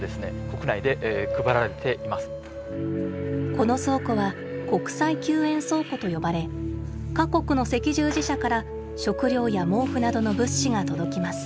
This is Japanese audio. この倉庫は「国際救援倉庫」と呼ばれ各国の赤十字社から食料や毛布などの物資が届きます。